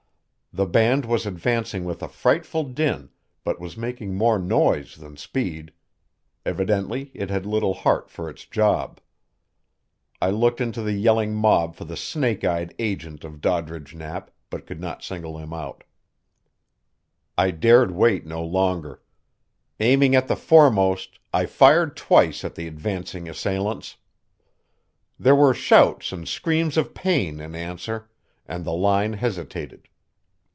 The band was advancing with a frightful din, but was making more noise than speed. Evidently it had little heart for its job. I looked into the yelling mob for the snake eyed agent of Doddridge Knapp, but could not single him out. I dared wait no longer. Aiming at the foremost I fired twice at the advancing assailants. There were shouts and screams of pain in answer, and the line hesitated.